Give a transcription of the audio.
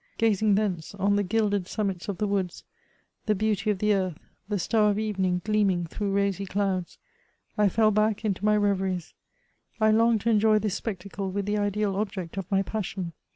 Guzing thence on the gilded summits of the woods, the beauty of the earth, the star of evening gleaming through rosy clouds, I fell back into my reveries ; I longed to enjoy tins spectacle with the ideal object of my passion.